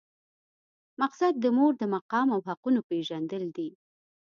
مقصد د مور د مقام او حقونو پېژندل دي.